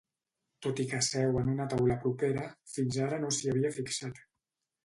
Tot i que seu en una taula propera, fins ara no s'hi havia fixat.